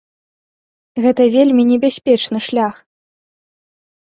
Гэта вельмі небяспечны шлях.